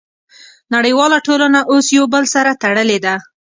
نړیواله ټولنه اوس یو بل سره تړلې ده